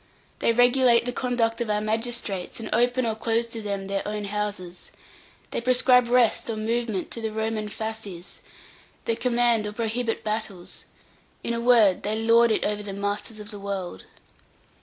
They regulate the conduct of our magistrates, and open or close to them their own houses. They prescribe rest or movement to the Roman fasces: they command or prohibit battles. In a word, they lord it over the masters of the world."